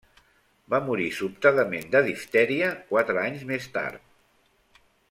Va morir sobtadament de diftèria quatre anys més tard.